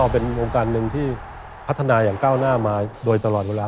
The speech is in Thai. พัฒนาอย่างก้าวหน้ามาโดยตลอดเวลา